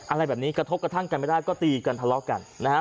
อะไรแบบนี้กระทบกระทั่งกันไม่ได้ก็ตีกันทะเลาะกันนะฮะ